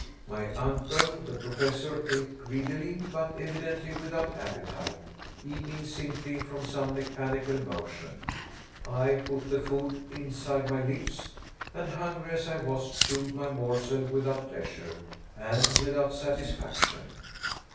My uncle, the Professor, ate greedily, but evidently without appetite, eating simply from some mechanical motion. I put the food inside my lips, and hungry as I was, chewed my morsel without pleasure, and without satisfaction.